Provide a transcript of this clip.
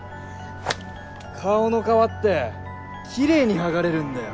顔の皮ってきれいにはがれるんだよ。